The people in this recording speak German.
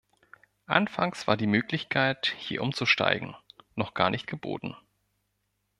Anfangs war die Möglichkeit, hier umzusteigen, noch gar nicht geboten.